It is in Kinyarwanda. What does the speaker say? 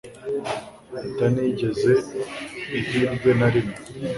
atanigeze ihirwe na rimwe